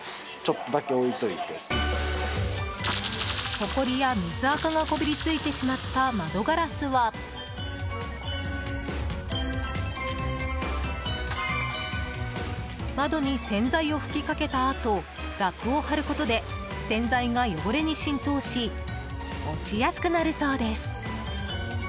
ほこりや水垢がこびりついてしまった窓ガラスは窓に洗剤を吹きかけたあとラップを貼ることで洗剤が汚れに浸透し落ちやすくなるそうです。